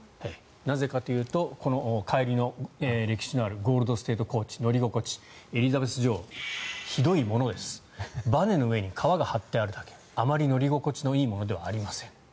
なぜかというとこの帰りの、歴史のあるゴールド・ステート・コーチ乗り心地、エリザベス女王ひどいものですばねの上に革が張ってあるだけあまり乗り心地のよいものではありません。